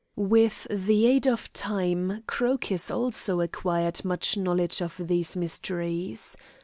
With the aid of time, Crocus also acquired much knowledge of these mysteries.